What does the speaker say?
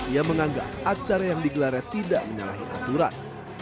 yang menganggap acara yang digelarai tidak menyalahi aturan